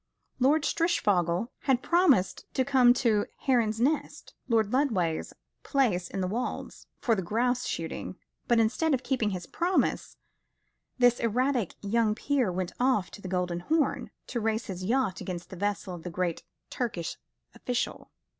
Lord Strishfogel had promised to come to Heron's Nest, Lord Lodway's place in the Wolds, for the grouse shooting; but instead of keeping his promise, this erratic young peer went off to the Golden Horn, to race his yacht against the vessel of a great Turkish official.